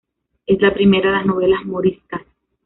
Es la primera de las novelas moriscas.